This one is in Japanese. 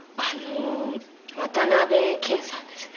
渡辺謙さんですね。